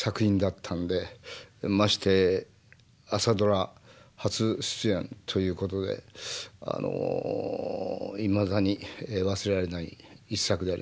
まして「朝ドラ」初出演ということであのいまだに忘れられない一作でありますね。